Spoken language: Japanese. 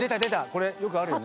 これよくあるよね？